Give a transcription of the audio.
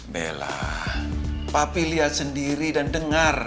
bella papi lihat sendiri dan dengar